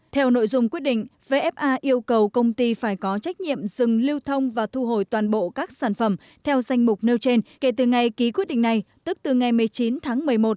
theo nội dung quyết định vfa yêu cầu công ty phải có trách nhiệm dừng lưu thông và thu hồi toàn bộ các sản phẩm theo danh mục nêu trên kể từ ngày ký quyết định này tức từ ngày một mươi chín tháng một mươi một